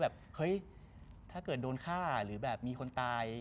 แบบเฮ้ยถ้าเกิดโดนฆ่าหรือแบบมีคนตาย